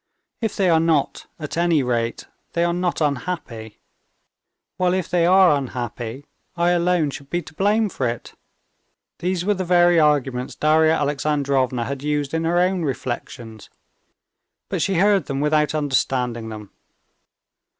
"If they are not, at any rate they are not unhappy; while if they are unhappy, I alone should be to blame for it." These were the very arguments Darya Alexandrovna had used in her own reflections; but she heard them without understanding them.